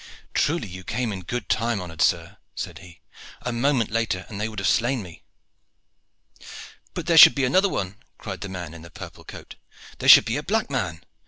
"Truly you came in good time, honored sir," said he. "A moment later and they would have slain me." "But there should be another one," cried the man in the purple coat. "There should be a black man.